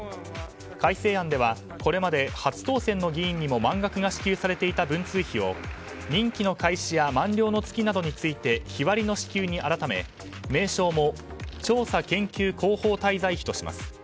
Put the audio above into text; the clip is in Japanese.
改正案ではこれまで初当選の議員にも満額が支給されていた文通費を任期の開始や満了の月などについて日割りの支給に改め名称も調査研究広報滞在費とします。